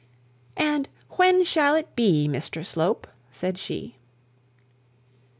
'And when shall it be, Mr Slope?' said she.